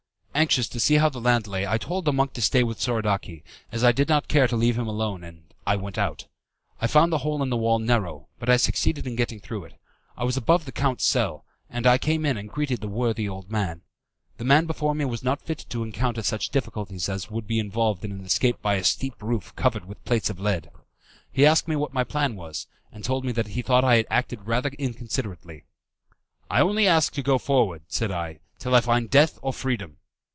Anxious to see how the land lay, I told the monk to stay with Soradaci, as I did not care to leave him alone, and I went out. I found the hole in the wall narrow, but I succeeded in getting through it. I was above the count's cell, and I came in and greeted the worthy old man. The man before me was not fitted to encounter such difficulties as would be involved in an escape by a steep roof covered with plates of lead. He asked me what my plan was, and told me that he thought I had acted rather inconsiderately. "I only ask to go forward," said I, "till I find death or freedom."